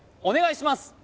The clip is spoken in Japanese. お願いします